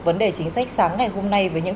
vấn đề chính sách sáng ngày hôm nay với những